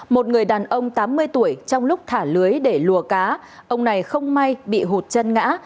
một người đàn ông tám mươi tuổi trong lúc thả lưới để lùa cá ông này không may bị hụt chân ngã